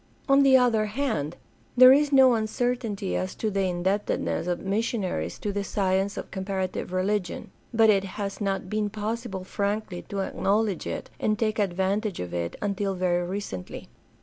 On the other hand, there is no uncertainty as to the indebt edness of missionaries to the science of comparative religion, but it has not been possible frankly to acknowledge it and take advantage of it until very recently.